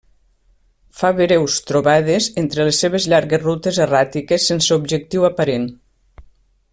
Fa breus trobades entre les seves llargues rutes erràtiques sense objectiu aparent.